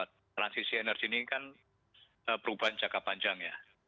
transisi energi ini kan perubahan jangka panjang ya